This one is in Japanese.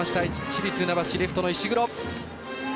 市立船橋、レフトの石黒。